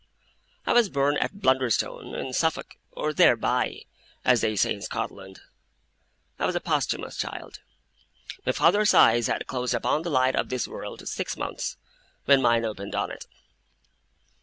I was born at Blunderstone, in Suffolk, or 'there by', as they say in Scotland. I was a posthumous child. My father's eyes had closed upon the light of this world six months, when mine opened on it.